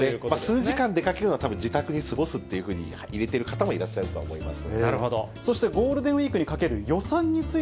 数時間出かけるのは、たぶん自宅に過ごすっていうふうに、入れてる方もいらっしゃると思います。